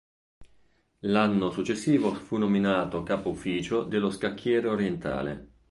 L'anno successivo fu nominato Capo ufficio dello Scacchiere orientale.